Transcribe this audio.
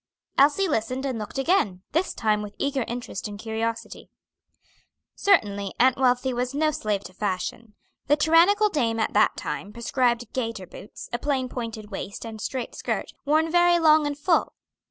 Elsie listened and looked again; this time with eager interest and curiosity. Certainly, Aunt Wealthy was no slave to fashion. The tyrannical dame at that time prescribed gaiter boots, a plain pointed waist and straight skirt, worn very long and full.